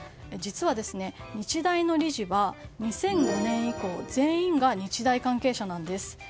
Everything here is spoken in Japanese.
実は、日大の理事は２００５年以降全員が日大関係者なんです。